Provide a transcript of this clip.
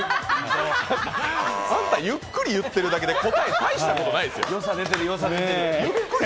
あんた、ゆっくり言ってるだけで答え、大したことないです。